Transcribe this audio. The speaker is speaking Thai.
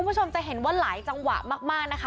ก็เห็นว่าหลายจังหวะมาก